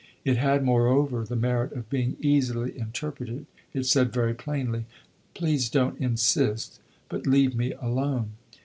It had, moreover, the merit of being easily interpreted; it said very plainly, "Please don't insist, but leave me alone."